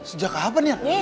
sejak aban ya